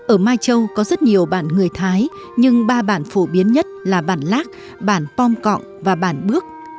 ở mai châu có rất nhiều bản người thái nhưng ba bản phổ biến nhất là bản lác bản pom cọng và bản bước